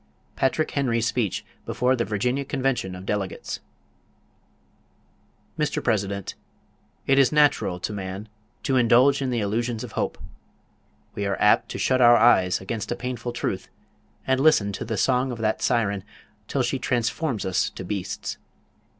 PATRICK HENRY'S SPEECH BEFORE THE VIRGINIA CONVENTION OF DELEGATES Mr. President, it is natural to man to indulge in the illusions of hope. We are apt to shut our eyes against a painful truth, and listen to the song of that siren, till she transforms us to beasts.